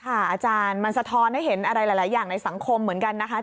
อาจารย์มันสะท้อนให้เห็นอะไรหลายอย่างในสังคมเหมือนกันนะคะ